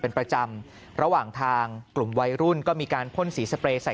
เป็นประจำระหว่างทางกลุ่มวัยรุ่นก็มีการพ่นสีสเปรย์ใส่